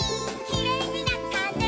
「きれいになったね」